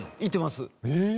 いってます。